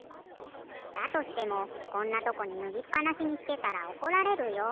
だとしてもこんなとこにぬぎっぱなしにしてたらおこられるよ。